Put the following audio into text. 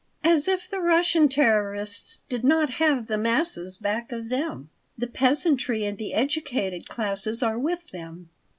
"As if the Russian terrorists did not have the masses back of them! The peasantry and the educated classes are with them."